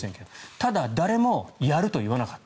ただ、誰もやるといわなかった。